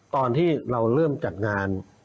ตอนที่เราเริ่มจัดงาน